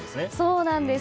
そうなんです。